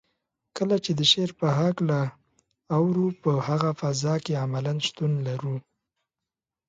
کله چې د شعر په هکله اورو په هغه فضا کې عملاً شتون لرو.